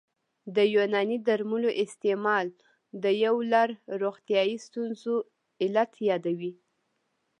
د یوناني درملو استعمال د یو لړ روغتیايي ستونزو علت یادوي